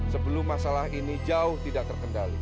sebelum masalah ini jauh tidak terkendali